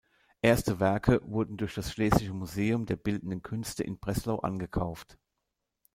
Erste Werke wurden durch das Schlesische Museum der Bildenden Künste in Breslau angekauft.